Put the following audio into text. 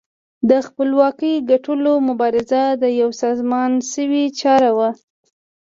د خپلواکۍ ګټلو مبارزه یوه سازمان شوې چاره وه.